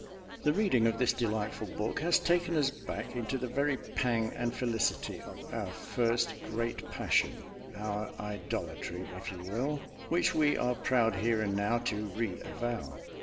The reading of this delightful book has taken us back into the very pang and felicity of our first great passion our idolatry, if you will which we are proud here and now to re avow.